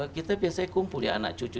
kita biasanya kumpul ya anak cucu